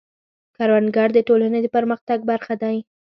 کروندګر د ټولنې د پرمختګ برخه دی